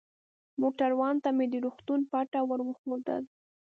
موټروان ته مې د روغتون پته ور وښودل.